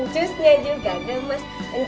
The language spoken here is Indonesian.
jusnya juga gemes